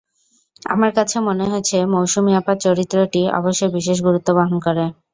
আমার কাছে মনে হয়েছে, মৌসুমী আপার চরিত্রটি অবশ্যই বিশেষ গুরুত্ব বহন করে।